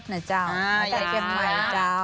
มาจากเกียรติภัยเจ้า